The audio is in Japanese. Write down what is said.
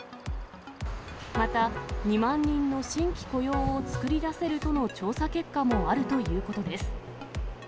また、２万人の新規雇用をつくり出せるとの調査結果もあるということです。